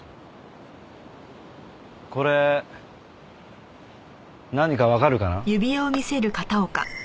これ何かわかるかな？